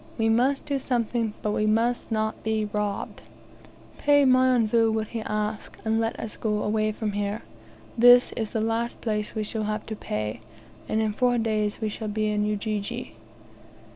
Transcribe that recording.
We must do something; but we must not be robbed." "Pay Mionvu what he asks, and let us go away from here. This is the last place we shall have to pay. And in four days we shall be in Ujiji."